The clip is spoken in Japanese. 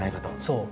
そう。